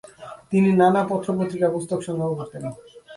তিনি নানা পত্রপত্রিকা, পুস্তক সংগ্রহ করতেন।